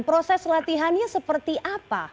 proses latihannya seperti apa